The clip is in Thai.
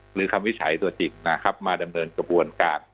หรือคำวิสัยตัวจริงมาดำเนินกระบวนการ